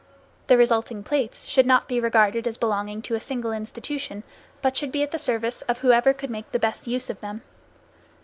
The resulting plates should not be regarded as belonging to a single institution, but should be at the service of whoever could make the best use of them.